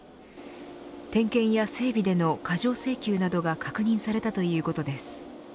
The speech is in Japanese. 点検や整備での過剰請求などが確認されたということです。